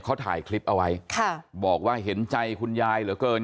เขาถ่ายคลิปเอาไว้ค่ะบอกว่าเห็นใจคุณยายเหลือเกิน